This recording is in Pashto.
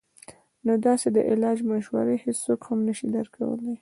نو داسې د علاج مشورې هيڅوک هم نشي درکولے -